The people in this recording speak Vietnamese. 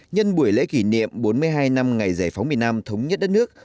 nhân buổi lễ kỷ niệm bốn mươi hai năm ngày giải phóng miền nam thống nhất đất nước